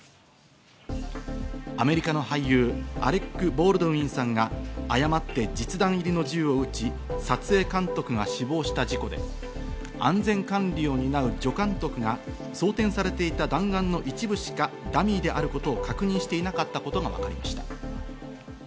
アメリカの俳優、アレック・ボールドウィンさんが誤って実弾入りの銃を撃ち撮影監督が死亡した事故で安全管理を担う助監督が装填されていた弾丸の一部しかダミーであることを確認していなかったことがわかりました。